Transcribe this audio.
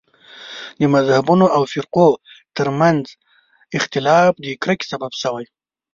د مذهبونو او فرقو تر منځ اختلافونه د کرکې سبب شوي.